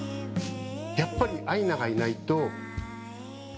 やっぱりアイナがいないと米咲が。